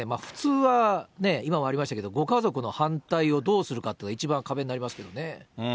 普通はね、今もありましたけど、ご家族の反対をどうするかというのが、一番壁になりますけどね。